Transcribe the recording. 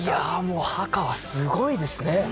ハカはすごいですね。